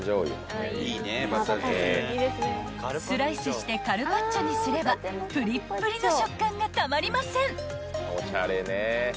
［スライスしてカルパッチョにすればぷりっぷりの食感がたまりません］